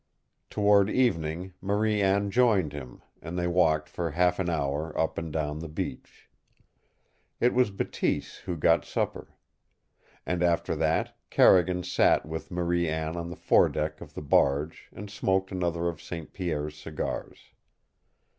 Toward evening Marie Anne joined him, and they walked for half an hour up and down the beach. It was Bateese who got supper. And after that Carrigan sat with Marie Anne on the foredeck of the barge and smoked another of St. Pierre's cigars.